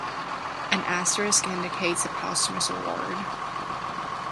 An asterisk indicates a posthumous award.